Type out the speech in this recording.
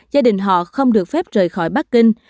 gia đình họ không được phép rời khỏi bắc kinh